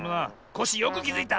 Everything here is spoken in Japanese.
コッシーよくきづいた。